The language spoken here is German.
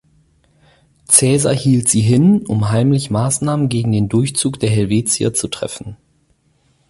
Caesar hielt sie hin, um heimlich Maßnahmen gegen den Durchzug der Helvetier zu treffen.